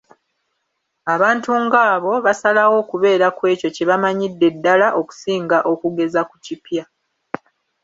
Abantu ng’abo basalawo okubeera ku ekyo kye bamanyidde ddala okusinga okugeza ku kipya.